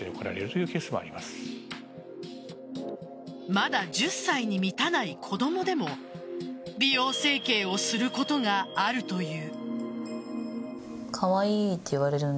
まだ１０歳に満たない子供でも美容整形をすることがあるという。